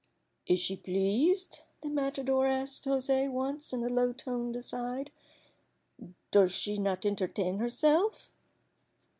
"Is she pleased?" the matador asked José once in a low toned aside. "Does she not entertain herself?"